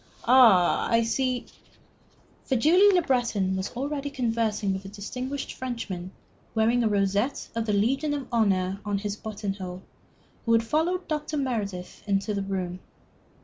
Ah, I see " For Julie Le Breton was already conversing with the distinguished Frenchman wearing the rosette of the Legion of Honor in his button hole, who had followed Dr. Meredith into the room.